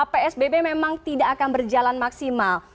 psbb memang tidak akan berjalan maksimal